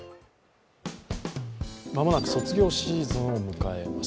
間もなく卒業シーズンを迎えます。